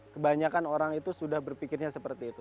kebanyakan orang itu sudah berpikirnya seperti itu